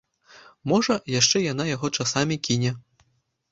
Можа, яшчэ яна яго часамі кіне.